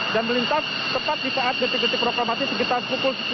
dan melintas tepat di saat titik titik proklamasi sekitar pukul sepuluh wib